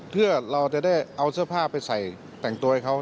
เพื่อเราจะได้เอาเสื้อผ้าไปใส่แต่งตัวให้เขา